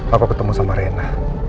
aku ketemu sama rena